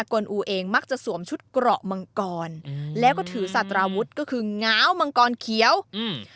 กลอูเองมักจะสวมชุดเกราะมังกรอืมแล้วก็ถือศาตราวุฒิก็คือง้าวมังกรเขียวอืม